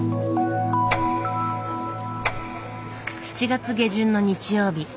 ７月下旬の日曜日。